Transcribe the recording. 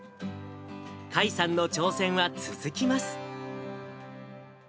甲斐さんの挑戦は続きます。